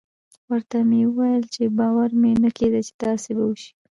ورته ومې ويل چې باور مې نه کېده چې داسې به وسي.